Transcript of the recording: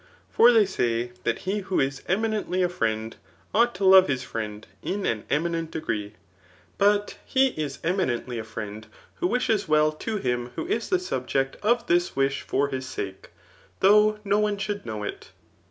For they say that he who is eminently a friend, ought to love his friend in an eminent degree ; but he is eminently a friend who wishes well to faim who is the subject of this wish for his sake, though no one should know it.